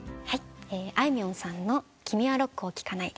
あいみょんさんの『君はロックを聴かない』です。